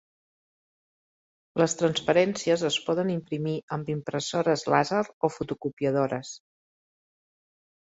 Les transparències es poden imprimir amb impressores làser o fotocopiadores.